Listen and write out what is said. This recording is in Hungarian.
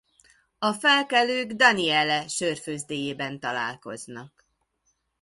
A felkelők Daniele sörfőzdéjében találkoznak.